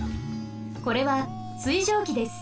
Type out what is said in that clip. これは水蒸気です。